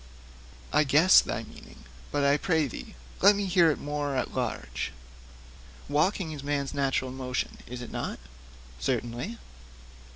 'I guess thy meaning, but I pray thee let me hear thee more at large.' 'Walking is man's natural motion, is it not?' 'Certainly.'